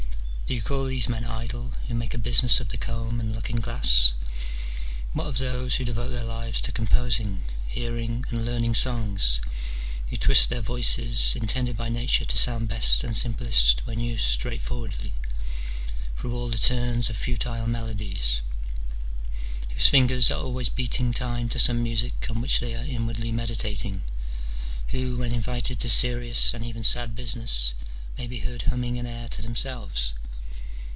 Do you call these men idle, who make a busi ness of the comb and looking glass ? what of those who de vote their lives to composing, hearing, and learning songs^ who twist their voices, intended by Nature to sound best and simplest when used straightforwardly, through all the turns of futile melodies ; whose fingers are always beating time to some music on which they are inwardly meditating ; who, when invited to serious and even sad business may be heard humming an air to themselves